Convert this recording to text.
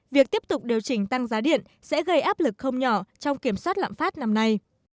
việc tiếp tục điều chỉnh tăng giá điện sẽ gây áp lực không nhỏ trong kiểm soát lạm phát năm nay